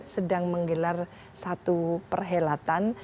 sedang menggelar satu perhelatan